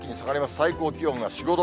最高気温が４、５度。